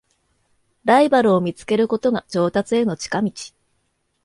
ライバルを見つけることが上達への近道